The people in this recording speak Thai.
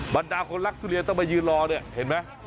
บรรดาคนรักทุเรียนต้องมายืนรอเนี่ยเห็นไหม